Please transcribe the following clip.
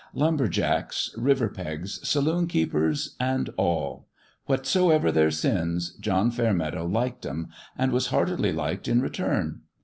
Lumber jacks, river pigs, saloon keepers, and all : what ever their sins, John Fairmeadow liked 'em, and was heartily liked in return.